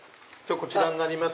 こちらになります。